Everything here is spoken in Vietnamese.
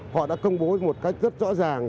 họ đã công bố một cách rất rõ ràng